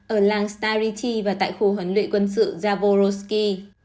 ở làng stariti và tại khu huấn luyện quân sự zaborovsky